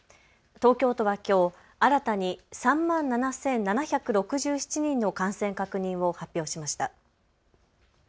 東京都はきょう、新たに３万７７６７人の感染確認を発表しました。